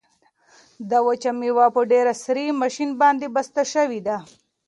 دا وچه مېوه په ډېر عصري ماشین باندې بسته شوې ده.